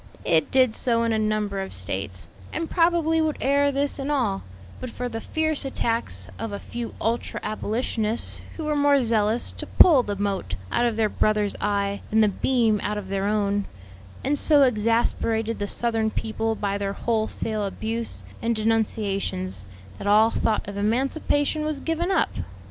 "It did so in a number of States, and probably would ere this in all, but for the fierce attacks of a few ultra abolitionists, who were more zealous to pull the mote out of their brother's eye than the beam out of their own, and so exasperated the Southern people by their wholesale abuse and denunciations, that all thought of emancipation was given up.